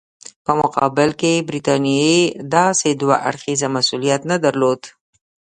په مقابل کې برټانیې داسې دوه اړخیز مسولیت نه درلود.